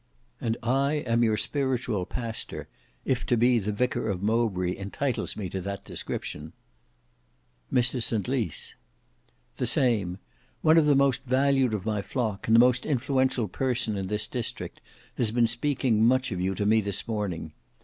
"And I am your spiritual pastor, if to be the vicar of Mowbray entitles me to that description." "Mr St Lys." "The same. One of the most valued of my flock, and the most influential person in this district, has been speaking much of you to me this morning.